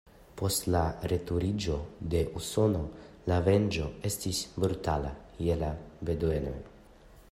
Post retiriĝo de Usono, la venĝo estis brutala je la beduenoj.